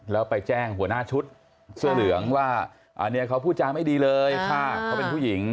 แล้วไปแจ้งหัวหน้าชุดเสื้อเหลืองว่าอันนี้เขาพูดจาไม่ดีเลยค่ะเขาเป็นผู้หญิง